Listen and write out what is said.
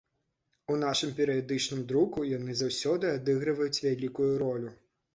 У нашым перыядычным друку яны заўсёды адыгрываюць вялікую ролю.